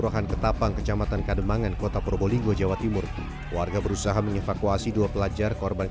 hey itu berapa